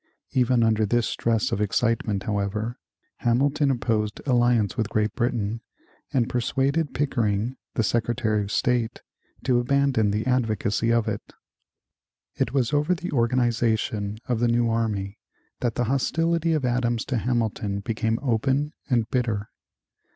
Even under this stress of excitement, however, Hamilton opposed alliance with Great Britain, and persuaded Pickering, the Secretary of State, to abandon the advocacy of it. It was over the organization of the new army that the hostility of Adams to Hamilton became open and bitter.